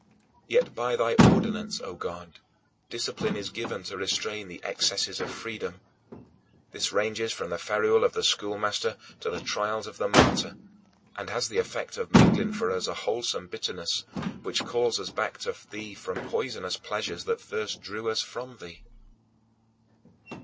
Yet, by thy ordinance, O God, discipline is given to restrain the excesses of freedom; this ranges from the ferule of the schoolmaster to the trials of the martyr and has the effect of mingling for us a wholesome bitterness, which calls us back to thee from the poisonous pleasures that first drew us from thee.